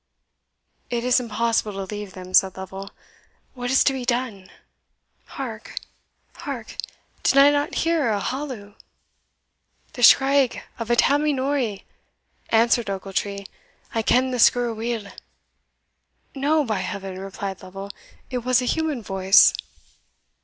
"It is impossible to leave them," said Lovel "What is to be done? Hark! hark! did I not hear a halloo?" "The skreigh of a Tammie Norie," answered Ochiltree "I ken the skirl weel." "No, by Heaven!" replied Lovel, "it was a human voice."